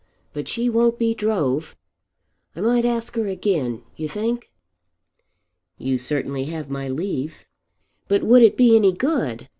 But she won't be drove. I might ask her again, you think?" "You certainly have my leave." "But would it be any good?